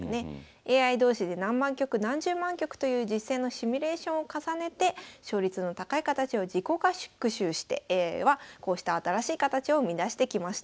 ＡＩ同士で何万局何十万局という実戦のシミュレーションを重ねて勝率の高い形を自己学習してはこうした新しい形を生み出してきました。